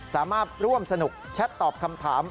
สามารถร่วมสนุกแชทตอบคำถาม